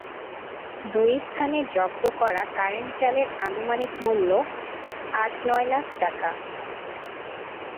দুই স্থানে জব্দ করা কারেন্ট জালের আনুমানিক মূল্য আট-নয় লাখ টাকা।